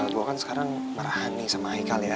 gue kan sekarang marah nih sama aikal ya